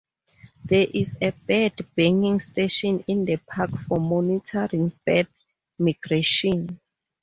There is a bird banding station in the park for monitoring bird migration.